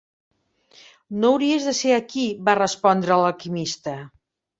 "No hauries de ser aquí", va respondre l'alquimista.